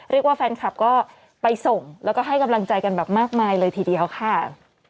เรียกว่าแฟนคลับก็ไปส่งแล้วก็ให้กำลังใจกันแบบมากมายเลยทีเดียวค่ะ